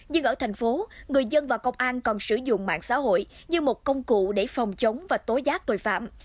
nhưng ở thành phố người dân và công an còn sử dụng mạng xã hội như một công cụ để phòng chống và tối giác tội phạm